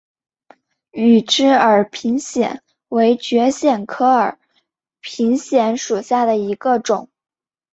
羽枝耳平藓为蕨藓科耳平藓属下的一个种。